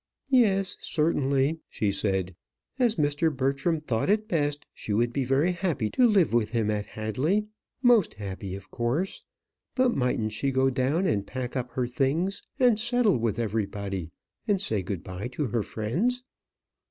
"Yes, certainly," she said. "As Mr. Bertram thought it best, she would be very happy to live with him at Hadley most happy, of course; but mightn't she go down and pack up her things, and settle with everybody, and say good bye to her friends?"